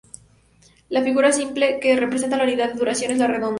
La figura simple que representa la unidad de duración es la redonda.